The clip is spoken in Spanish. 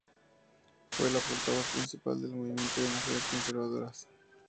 Fue la portavoz principal del movimiento de mujeres conservadoras.